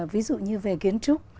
ví dụ như về kiến trúc